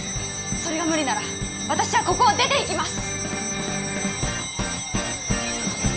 それが無理なら私はここを出ていきます